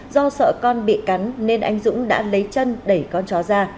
do sợ con bị cắn nên anh dũng đã lấy chân đẩy con chó ra